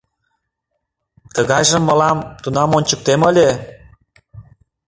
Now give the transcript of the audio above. — Тыгайжым мылам — тунам ончыктем ыле!